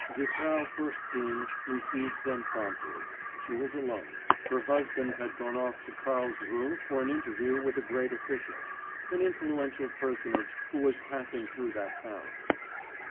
'Die Frau Fürstin' received them promptly: she was alone, her husband had gone off to Carlsruhe for an interview with a great official, an influential personage who was passing through that town.